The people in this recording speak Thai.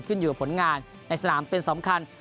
ขึ้นอยู่กับผลงานในสนามเป็นสำคัญ